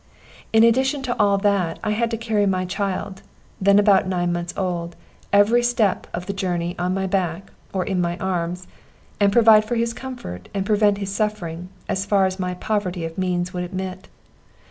In addition to all that, I had to carry my child, then about nine months old, every step of the journey on my back, or in my arms, and provide for his comfort and prevent his suffering, as far as my poverty of means would admit.